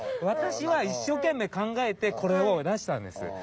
私は一生懸命考えてこれを出したんです。